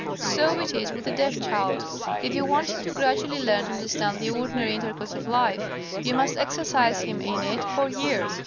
So it is with the deaf child. If you want him to gradually learn to understand the ordinary intercourse of life, you must exercise him in it for years.